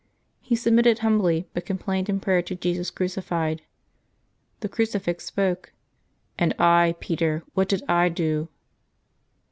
He submitted humbly, but complained in prayer to Jesus crucified. The crucifix spoke, ^^And I, Peter, what did I do